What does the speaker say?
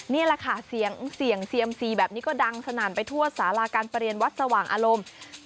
นี่แหละค่ะเสียงเซียมซีแบบนี้ก็ดังสนั่นไปทั่วสาราการประเรียนวัดสว่างอารมณ์